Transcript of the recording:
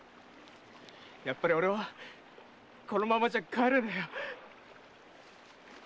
やっぱり俺はこのままじゃ帰れねえよ！